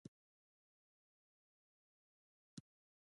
د اوړي میوې د برکت نښه ده.